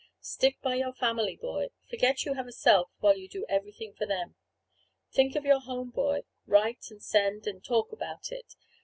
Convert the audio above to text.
Stick by your family, boy; forget you have a self, while you do everything for them. Think of your home, boy; write and send, and talk about it.